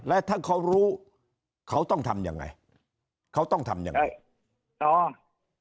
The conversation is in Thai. และถ้าเขารู้เขาต้องทำยังไงเขาต้องทำยังไงอ๋อ